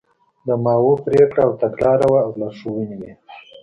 د ماوو پرېکړه او تګلاره وه او لارښوونې وې.